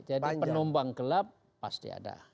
jadi penumpang gelap pasti ada